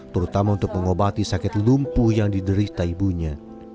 terutama untuk mengobati sakit lumpuh yang diderita ibunya